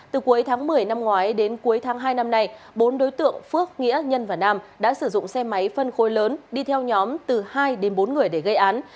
từ cuối tháng một mươi năm ngoái đến cuối tháng hai năm nay bốn đối tượng phước nghĩa nhân và nam đã sử dụng xe máy phân khối lớn đi theo nhóm từ hai đến bốn người để gây án